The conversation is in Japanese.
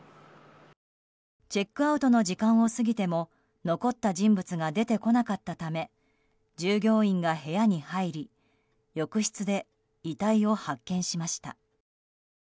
チェックアウトの時間を過ぎても残った人物が出てこなかったため従業員が部屋に入り浴室で遺体を発見しました。